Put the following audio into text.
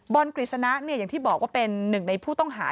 กฤษณะอย่างที่บอกว่าเป็นหนึ่งในผู้ต้องหา